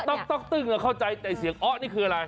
ต๊อกตึ้งเราเข้าใจแต่เสียงอ๊ะนี่คืออะไร